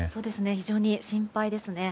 非常に心配ですね。